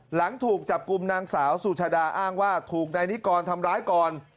หลังถูกจับกลุ่มนางสาวสุชาดาอ้างว่าถูกนายนิกรทำร้ายก่อน